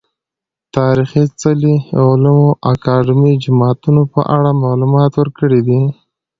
تاريخي څلي، علومو اکادميو، جوماتونه په اړه معلومات ورکړي دي